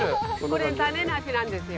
これ種なしなんですよ